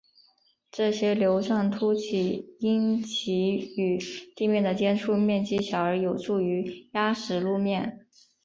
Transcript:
这些瘤状突起因其与地面的接触面积小而有助于压实路面。